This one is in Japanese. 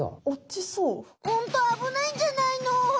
ホントあぶないんじゃないの？